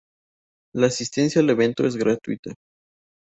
La asistencia al evento es gratuita.